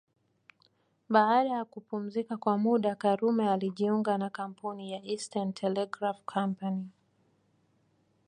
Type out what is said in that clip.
Baada ya kupumzika kwa muda Karume alijiunga na kampuni ya Eastern Telegraph Company